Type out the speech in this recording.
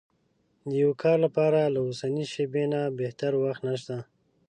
د يوه کار لپاره له اوسنۍ شېبې نه بهتر وخت نشته.